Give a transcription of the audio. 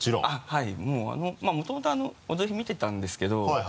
はいもともと踊り見てたんですけど。